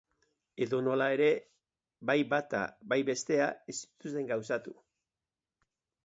Edonola ere, bai bata bai bestea ez zituzten gauzatu.